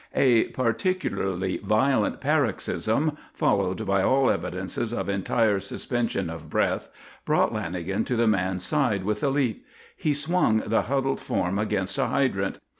A particularly violent paroxysm, followed by all evidences of entire suspension of breath, brought Lanagan to the man's side with a leap. He swung the huddled form against a hydrant.